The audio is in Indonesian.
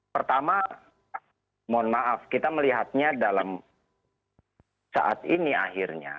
pertama mohon maaf kita melihatnya dalam saat ini akhirnya